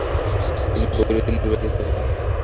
তিনি বৈরুতে নির্বাসিত হন।